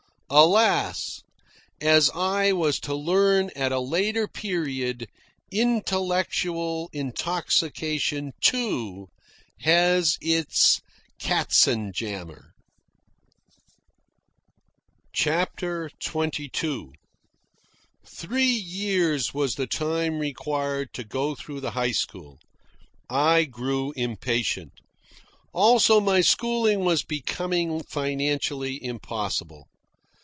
(Alas! as I was to learn at a later period, intellectual intoxication too, has its katzenjammer.) CHAPTER XXII Three years was the time required to go through the high school. I grew impatient. Also, my schooling was becoming financially impossible.